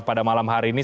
pada malam hari ini